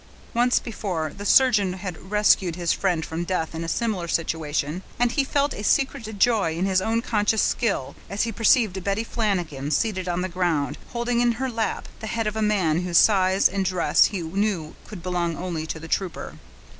Once before, the surgeon had rescued his friend from death in a similar situation; and he felt a secret joy in his own conscious skill, as he perceived Betty Flanagan seated on the ground, holding in her lap the head of a man whose size and dress he knew could belong only to the trooper.